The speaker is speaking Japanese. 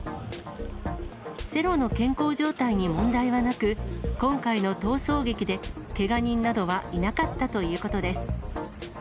セロの健康状態に問題はなく、今回の逃走劇で、けが人などはいなかったということです。